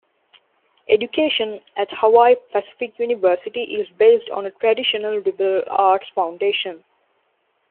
Education at Hawaii Pacific University is based on a traditional liberal arts foundation.